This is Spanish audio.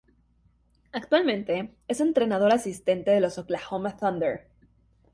Actualmente es entrenador asistente de los Oklahoma Thunder.